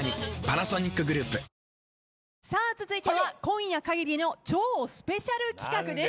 さあ続いては今夜かぎりの超スペシャル企画です。